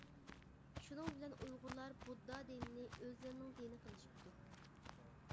شۇنىڭ بىلەن ئۇيغۇرلار بۇددا دىنىنى ئۆزلىرىنىڭ دىنى قىلىشىپتۇ.